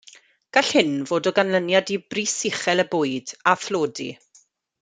Gall hyn fod o ganlyniad i bris uchel y bwyd, a thlodi.